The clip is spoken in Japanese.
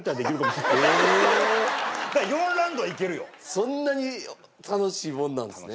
そんなに楽しいもんなんですね。